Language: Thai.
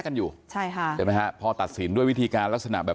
นางมอนก็บอกว่า